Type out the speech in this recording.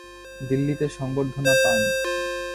দিল্লিতে সংবর্ধনা পান।